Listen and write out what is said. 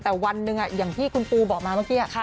แต่วันหนึ่งอย่างที่คุณปูบอกมาเมื่อกี้